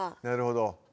なるほど。